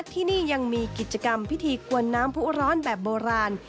ที่นี่ยังมีกิจกรรมพิธีกวนน้ำผู้ร้อนแบบโบราณ